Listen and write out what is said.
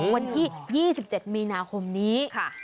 วันที่๒๗มีนาคมนี้ค่ะ